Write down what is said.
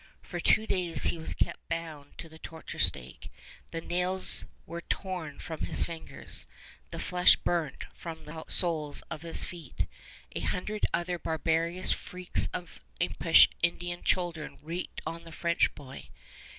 For two days he was kept bound to the torture stake. The nails were torn from his fingers, the flesh burnt from the soles of his feet, a hundred other barbarous freaks of impish Indian children wreaked on the French boy.